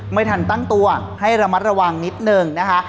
ไม่ทันตั้งตัวให้ระมัดระวังนิดนึงนะคะ